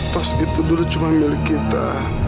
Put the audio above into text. tas itu dulu cuma milik kita